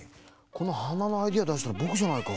このはなのアイデアだしたのぼくじゃないか。